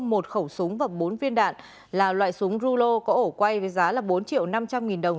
một khẩu súng và bốn viên đạn là loại súng rulo có ổ quay với giá bốn triệu năm trăm linh nghìn đồng